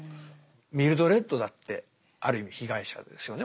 ミルドレッドだってある意味被害者ですよね